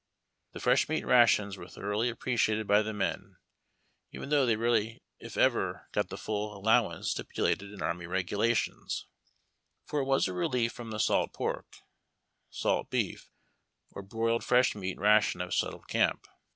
The fresh meat ration was thoroughly appreciated by the men, even though they rarely if ever got the full allowance stipu lated in Army Regulations, for it was a relief from the salt l)ork, salt beef, or boiled fresh meat ration of settled camp.